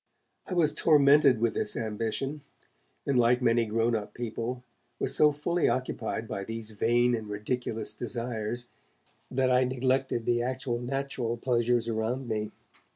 I was tormented with this ambition, and, like many grown up people, was so fully occupied by these vain and ridiculous desires that I neglected the actual natural pleasures around me.